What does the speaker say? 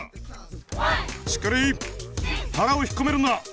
しっかり腹を引っ込めるんだ。